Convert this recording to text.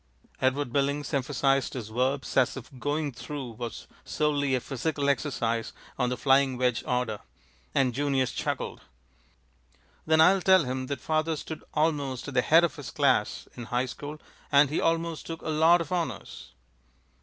Edward Billings emphasized his verbs as if "going through" was solely a physical exercise on the flying wedge order; and Junius chuckled. "Then I'll tell him that father stood almost at the head of his class in high school, and he almost took a lot of honors."